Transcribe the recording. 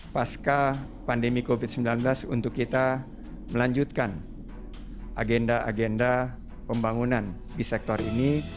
pasca pandemi covid sembilan belas untuk kita melanjutkan agenda agenda pembangunan di sektor ini